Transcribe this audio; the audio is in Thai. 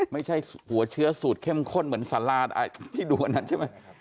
ไม่ใช่หัวเชื้อสูตรเข้มข้นเหมือนสาราที่ดูอันนั้นใช่ไหม